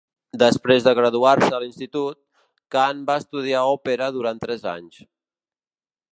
Després de graduar-se a l'institut, Khan va estudiar òpera durant tres anys.